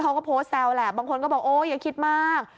เขาก็โพสต์แซวแหละบางคนก็บอกโอ๊ยอย่าคิดมาก